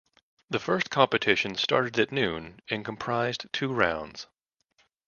The first competition started at noon and comprised two rounds.